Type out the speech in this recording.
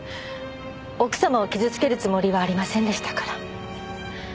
奥様を傷つけるつもりはありませんでしたから。